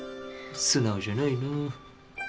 素直じゃないなあ。